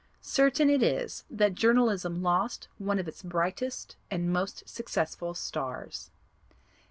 Certain it is that Journalism lost one of its brightest and most successful stars.